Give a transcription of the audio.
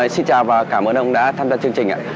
xin chào và cảm ơn ông đã tham gia chương trình